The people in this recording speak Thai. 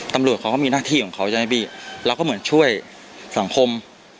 ตำรวจเขาก็มีหน้าที่ของเขาใช่ไหมพี่เราก็เหมือนช่วยสังคม